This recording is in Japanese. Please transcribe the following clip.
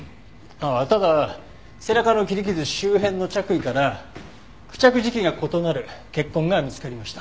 ああただ背中の切り傷周辺の着衣から付着時期が異なる血痕が見つかりました。